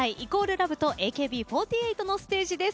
ＬＯＶＥとＡＫＢ４８のステージです。